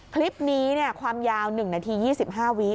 คลิปนี้ความยาว๑นาที๒๕วิ